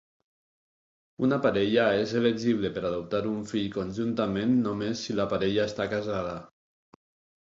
Una parella és elegible per adoptar un fill conjuntament només si la parella està casada.